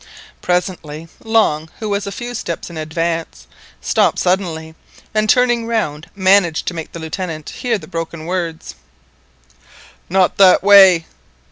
Presently Long, who was a few steps in advance, stopped suddenly, and turning round managed to make the Lieutenant hear the broken words— "Not that way!"